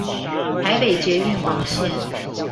台北捷運黃線